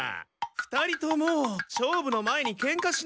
二人とも勝負の前にケンカしないでくれよ。